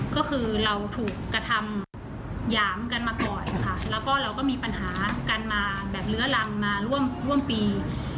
ก็คือเราถูกกระทำหยามกันมาก่อนค่ะแล้วก็มีปัญหาการเลื้อรังมาร่วมปี